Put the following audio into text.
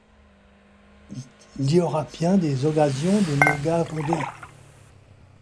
Di auras pien des ogassions te me garodder…